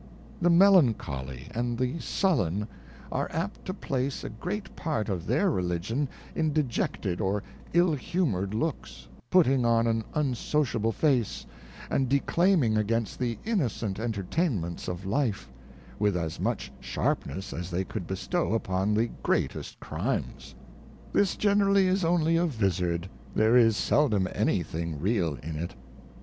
The Melancholy and the Sullen are apt to place a great part of their Religion in dejected or ill humour 'd Looks, putting on an unsociable Face, and declaiming against the Innocent Entertainments of Life, with as much sharpness as they could bestow upon the greatest Crimes. This generally is only a Vizard, there is seldom any thing real in it.